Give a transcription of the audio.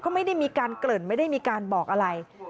ก็ไม่ได้มีการเกริ่นไม่ได้มีการบอกอะไร